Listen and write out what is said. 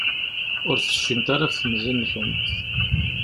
Ur tecfimt ara ɣef temẓi-nkent.